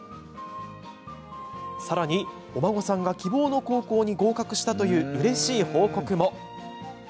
さらに、お孫さんが希望の高校に合格したといううれしい報告も。